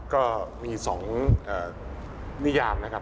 ก็มีสองเนี่ยามนะครับ